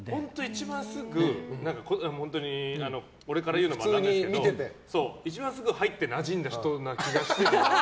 一番すぐ俺から言うのもあれですけど一番すぐに入ってなじんだ人な気がする。